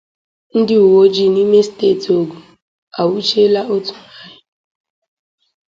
Ndị uweojii n'ime steeti Ogun anwụchiela otu nwaanyị